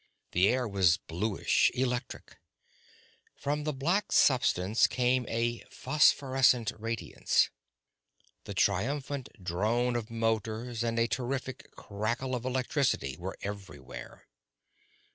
The air was bluish, electric. From the black substance came a phosphorescent radiance. The triumphant drone of motors and a terrific crackle of electricity were everywhere.